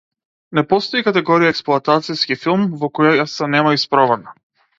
Не постои категорија експлоатациски филм во која се нема испробано.